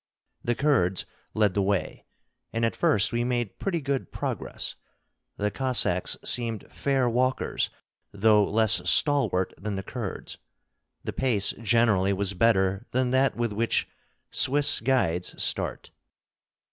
The Kurds led the way, and at first we made pretty good progress. The Cossacks seemed fair walkers, though less stalwart than the Kurds; the pace generally was better than that with which Swiss guides start.